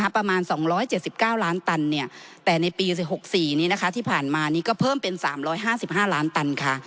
ประมาณ๒๗๙ล้านตันแต่ในปี๖๔นี้ที่ผ่านมานี้ก็เพิ่มเป็น๓๕๕ล้านตันค่ะ